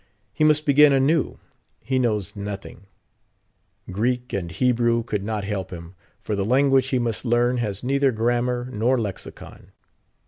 He must begin anew; he knows nothing; Greek and Hebrew could not help him, for the language he must learn has neither grammar nor lexicon.